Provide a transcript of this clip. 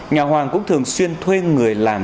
nhà hoàng cũng thường xuyên thuê người làm